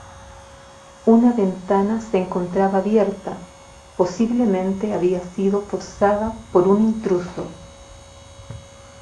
Una ventana se encontraba abierta, posiblemente había sido forzada por un intruso.